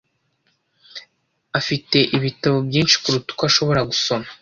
Afite ibitabo byinshi kuruta uko ashobora gusoma.